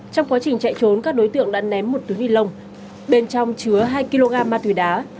trong quá trình chạy trốn các đối tượng đã ném một túi ni lông bên trong chứa hai kg ma túy đá